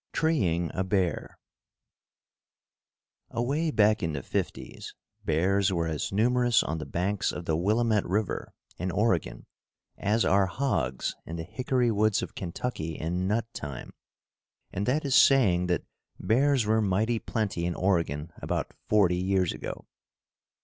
VII. TREEING A BEAR. Away back in the "fifties" bears were as numerous on the banks of the Willamette River, in Oregon, as are hogs in the hickory woods of Kentucky in nut time, and that is saying that bears were mighty plenty in Oregon about forty years ago.